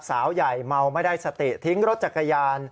สาวใหญ่เมาไม่ได้สติทิ้งรถจักรยาน